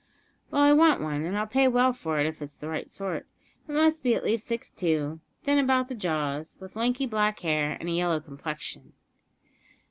"Well, I want one, and I'll pay well for it if it's of the right sort. It must be at least six foot two, thin about the jaws, with lanky black hair, and a yellow complexion."